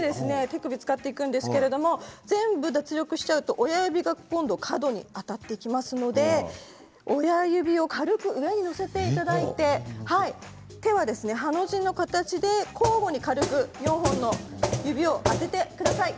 手首を使っていくんですけれど全部脱力しちゃうと、親指が角に当たっていきますので親指を軽く上に乗せていただいて手はハの字の形でここに軽く４本の指を当ててください。